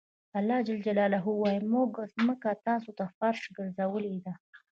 الله ج وایي موږ ځمکه تاسو ته فرش ګرځولې ده.